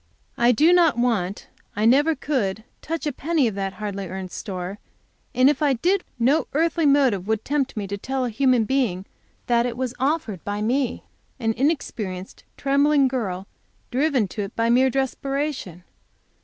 I do not want, I never could touch a penny of that hardly earned store; and if I did, no earthly motive would tempt me to tell a human being, that it was offered by me, an inexperienced, trembling girl, driven to it by mere desperation!